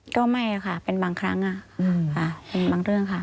ก็ไม่ค่ะเป็นบางครั้งเป็นบางเรื่องค่ะ